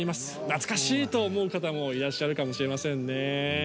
懐かしいと思う方もいらっしゃるかもしれませんね。